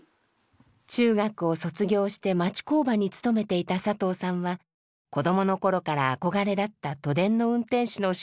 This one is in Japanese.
中学を卒業して町工場に勤めていた佐藤さんは子どもの頃から憧れだった都電の運転手の試験に挑戦。